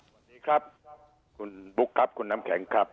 สวัสดีครับคุณบุ๊คครับคุณน้ำแข็งครับ